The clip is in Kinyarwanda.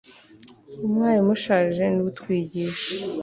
umwarimu ushaje niwe utwigisha